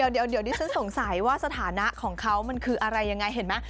เดี๋ยวดิฉันสงสัยว่าสถานะของเขามันคืออะไรยังไงเห็นไหม